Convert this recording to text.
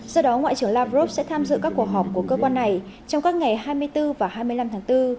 do đó ngoại trưởng lavrov sẽ tham dự các cuộc họp của cơ quan này trong các ngày hai mươi bốn và hai mươi năm tháng bốn